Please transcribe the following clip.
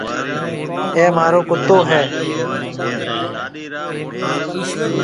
اَي مهارو ڪُتو هيَ۔